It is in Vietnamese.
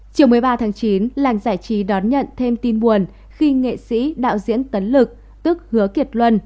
chiều một mươi ba tháng chín làng giải trí đón nhận thêm tin buồn khi nghệ sĩ đạo diễn tấn lực tức hứa kiệt luân